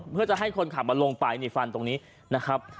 เพื่อจะให้คนขับมาลงไปนี่ฟันตรงนี้นะครับ